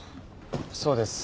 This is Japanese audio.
そうです。